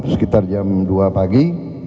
sekitar jam dua pagi